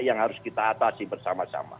yang harus kita atasi bersama sama